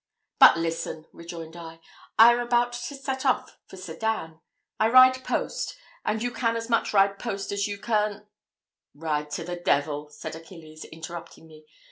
"But listen," rejoined I "I am about to set off for Sedan. I ride post; and you can as much ride post as you can " "Ride to the devil," said Achilles, interrupting me.